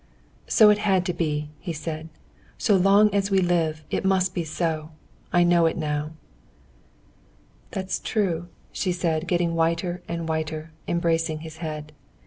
"So it had to be," he said. "So long as we live, it must be so. I know it now." "That's true," she said, getting whiter and whiter, and embracing his head.